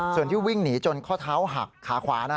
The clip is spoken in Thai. ส่วนที่วิ่งหนีจนข้อเท้าหักขาขวานะ